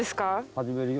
始めるよ。